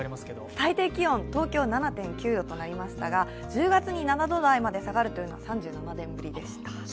最低気温、東京７．９度となりましたが、１０月に７度台まで下がるのは３７年ぶりでした。